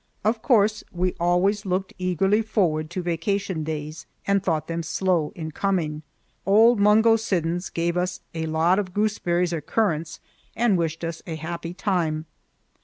Of course we always looked eagerly forward to vacation days and thought them slow in coming. Old Mungo Siddons gave us a lot of gooseberries or currants and wished us a happy time.